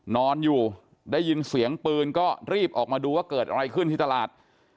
นอนอยู่ได้ยินเสียงปืนก็รีบออกมาดูว่าเกิดอะไรขึ้นที่ตลาด